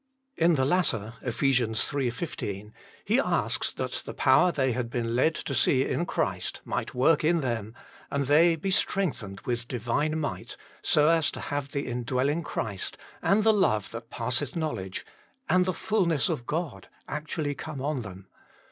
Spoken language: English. In the latter (iii. 15) he asks that the power they had been led to see in Christ might work in them, and they be strengthened with Divine might, so as to have the indwelling Christ, and the love that passeth knowledge, and the ful ness of God actually come on them.